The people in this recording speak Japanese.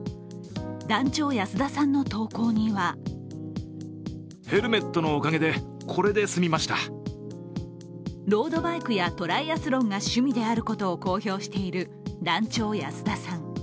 団長安田さんの投稿にはロードバイクやトライアスロンが趣味であることを公表している団長安田さん。